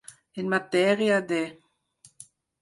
En matèria de.